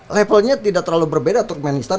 levelnya tidak terlalu berbeda turkmenistan